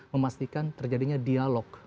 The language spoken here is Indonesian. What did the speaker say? memastikan terjadinya dialog